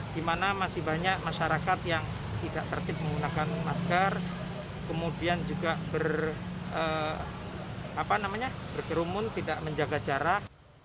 di mana masih banyak masyarakat yang tidak tertip menggunakan masker kemudian juga berkerumun tidak menjaga jarak